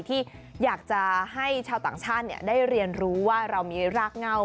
ที่อยากจะให้ชาวต่างชาติได้เรียนรู้ว่าเรามีรากเง่า